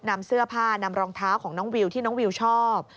นำเสื้อผ้านำรองเท้าของน้องวิวที่น้องวิวชอบ